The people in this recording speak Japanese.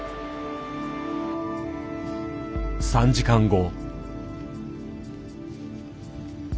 ３時間後。